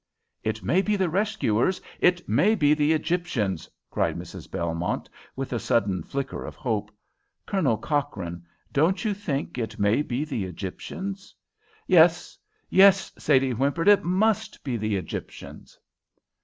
"It may be the rescuers! It may be the Egyptians!" cried Mrs. Belmont, with a sudden flicker of hope. "Colonel Cochrane, don't you think it may be the Egyptians?" "Yes, yes," Sadie whimpered. "It must be the Egyptians."